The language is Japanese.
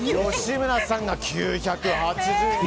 吉村さんが９８０円。